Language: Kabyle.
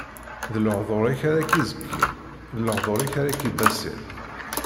D lehduṛ-ik ara k-izekkin, d lehduṛ-ik ara k-ibaṣin.